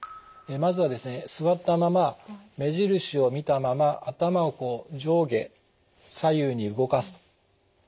まずはですね座ったまま目印を見たまま頭をこう上下・左右に動かす。